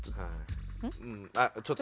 あっちょっと。